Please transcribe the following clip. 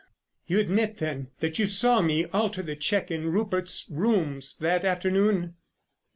"You admit, then, that you saw me alter the cheque in Rupert's rooms that afternoon?"